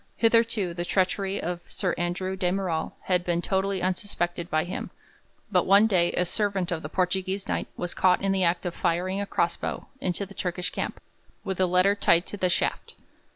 Hitherto the treachery of Sir Andrew de Merall had been totally unsuspected by him, but one day a servant of the Portuguese Knight was caught in the act of firing a cross bow into the Turkish camp, with a letter tied to the shaft.